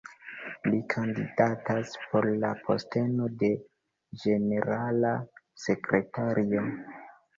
Li kandidatas por la posteno de ĝenerala sekretario.